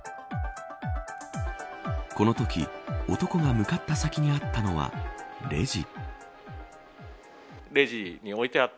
このとき、男が向かった先にあったのはレジ。